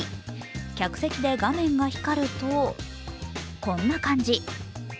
客席で画面が光るとこんな感じ。